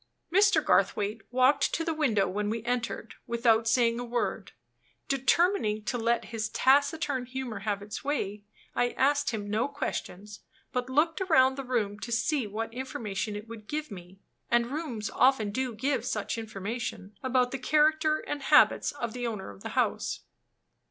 Mr. Garthwaite walked to the window when we entered, without saying a word. Determining to let his taciturn humor have its way, I asked him no questions, but looked around the room to see what information it would give me (and rooms often do give such information) about the character and habits of the owner of the house.